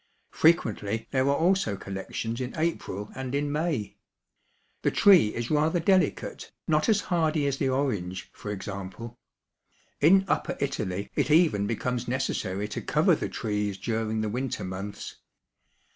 Frequently there are also collections in April and in May. The tree is rather delicate, not as hardy as the orange, for example. In upper Italy it even becomes necessary to cover the trees during the winter months.